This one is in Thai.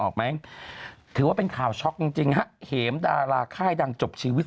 ออกไหมถือว่าเป็นข่าวช็อกจริงจริงฮะเหมดาราค่ายดังจบชีวิต